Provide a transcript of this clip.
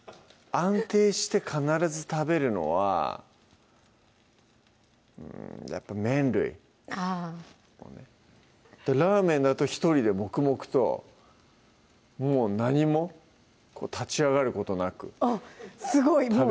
安定して必ず食べるのはうんやっぱ麺類あぁラーメンだと一人で黙々ともう何も立ち上がることなくあっすごい！